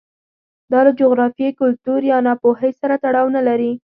دا له جغرافیې، کلتور یا ناپوهۍ سره تړاو نه لري